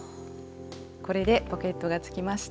これでポケットがつきました。